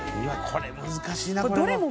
これ難しいなどれも。